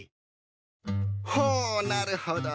ほなるほど。